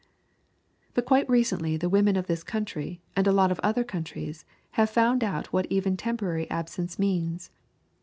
But quite recently the women of this country and a lot of other countries have found out what even temporary absence means.